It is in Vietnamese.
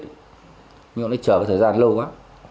nhưng họ lại chờ thời gian lâu quá